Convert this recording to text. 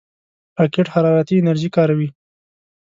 راکټ حرارتي انرژي کاروي